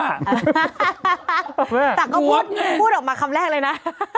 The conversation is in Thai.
แต่ก็พูดออกมาคำแรกเลยนะ